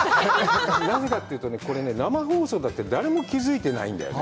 なぜかというと、これ、生放送だって誰も気づいてないんだよね。